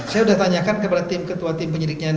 saya sudah tanyakan kepada tim ketua tim penyidiknya